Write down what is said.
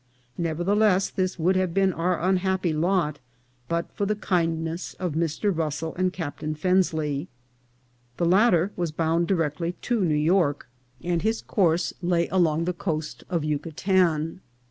Nevertheless, this would have been our unhappy lot but for the kindness of Mr. Russell and Captain Fensley. The latter was bound directly to New York, and his course lay along 392 INCIDENTS OF TRAVEL. the coast of Yucatan.